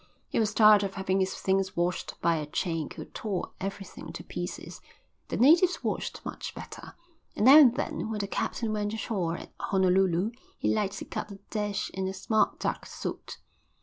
He was tired of having his things washed by a Chink who tore everything to pieces; the natives washed much better, and now and then when the captain went ashore at Honolulu he liked to cut a dash in a smart duck suit.